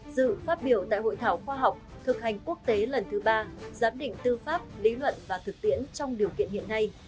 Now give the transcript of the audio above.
dự phát biểu tại hội thảo khoa học thực hành quốc tế lần thứ ba giám định tư pháp lý luận và thực tiễn trong điều kiện hiện nay